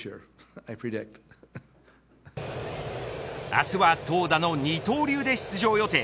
明日は投打の二刀流で出場予定。